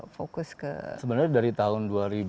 fokus ke sebenarnya dari tahun